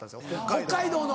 北海道の。